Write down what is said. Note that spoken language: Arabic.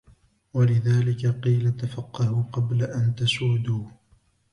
وَلِذَلِكَ قِيلَ تَفَقَّهُوا قَبْلَ أَنْ تَسُودُوا